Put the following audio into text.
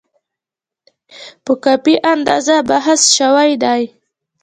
په کافي اندازه بحث شوی دی.